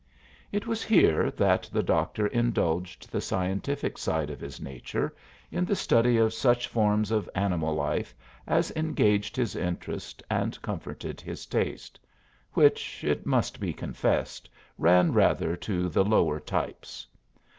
It was here that the doctor indulged the scientific side of his nature in the study of such forms of animal life as engaged his interest and comforted his taste which, it must be confessed, ran rather to the lower types.